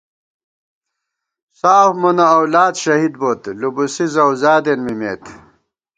ساف مونہ اؤلاد شہید بوت، لُبُوسی ذؤذادېن ممېت